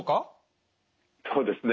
そうですね。